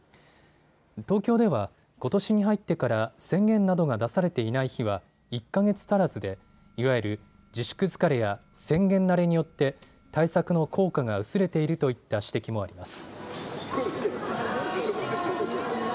東京では、ことしに入ってから宣言などが出されていない日は１か月足らずでいわゆる自粛疲れや宣言慣れによって対策の効果が薄れているといった指摘もあります。